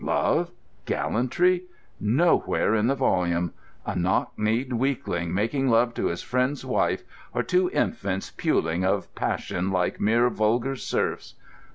Love? Gallantry? Nowhere in the volume. A knock kneed weakling making love to his friend's wife, or two infants puling of passion like mere vulgar serfs....